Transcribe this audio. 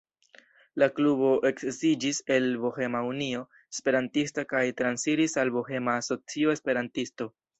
La Klubo eksiĝis el Bohema Unio Esperantista kaj transiris al Bohema Asocio Esperantista.